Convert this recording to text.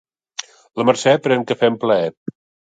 La Mercè pren cafè amb plaer.